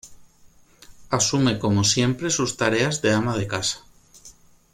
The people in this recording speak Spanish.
Asume como siempre sus tareas de ama de casa.